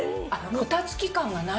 ごたつき感がない。